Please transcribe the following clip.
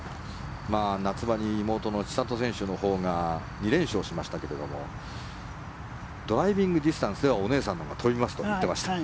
夏場に妹の千怜選手のほうが２連勝しましたけどもドライビングディスタンスではお姉さんのほうが飛びますと言っていました。